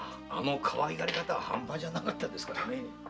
あのかわいがり方ははんぱじゃなかったですからね。